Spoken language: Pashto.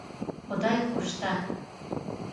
خدای خو شته.